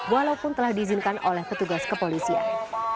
walaupun telah diizinkan oleh petugas kepolisian